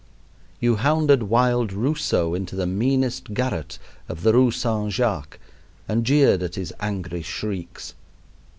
You hounded wild Rousseau into the meanest garret of the Rue St. Jacques and jeered at his angry shrieks.